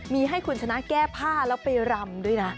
มีให้คุณชนะแก้ผ้าแล้วไปรำด้วยนะ